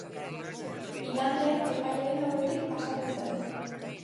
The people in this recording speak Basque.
Igandean epailearen aurretik pasatu zen.